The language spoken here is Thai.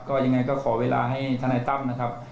ก็ยังไงก็ขอเวลาให้ทนายตั้มนะครับ